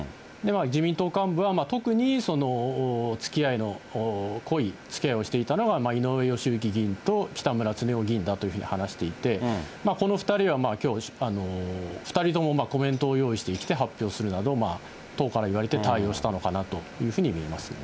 自民党幹部は、特につきあいの濃い、つきあいをしていたのは井上義行議員と北村経夫議員だというふうに話していて、この２人はきょう、２人ともコメントを用意してきて発表するなど、党から言われて対応したのかなというふうに見えますね。